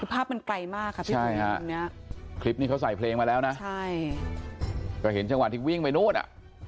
ภาพมันไกลมากครับใช่ครับคลิปนี้เขาใส่เพลงมาแล้วนะก็เห็นจังหวัดที่วิ่งไปนู้นอ่ะ